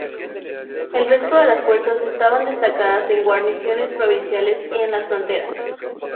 El resto de las fuerzas estaban destacadas en guarniciones provinciales y en las fronteras.